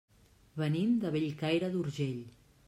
Venim de Bellcaire d'Urgell.